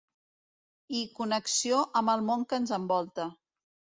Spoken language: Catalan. I connexió amb el món que ens envolta.